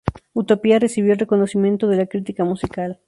Utopia recibió el reconocimiento de la crítica musical.